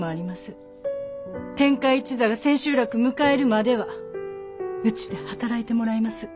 天海一座が千秋楽迎えるまではうちで働いてもらいます。